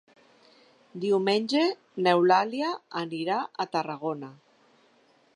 Diumenge n'Eulàlia anirà a Tarragona.